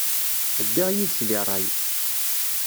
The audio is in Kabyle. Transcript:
Ddiɣ yid-k deg ṛṛay.